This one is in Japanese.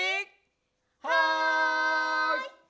はい！